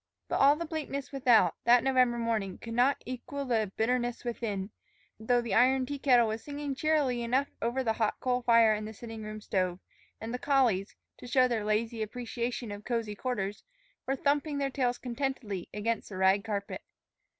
But all the bleakness without, that November morning, could not equal the bitterness within, though the iron tea kettle was singing cheerily enough over the hot coal fire in the sitting room stove, and the collies, to show their lazy appreciation of cozy quarters, were thumping their tails contentedly against the rag carpet.